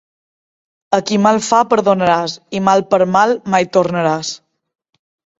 A qui mal fa perdonaràs i mal per mal mai tornaràs.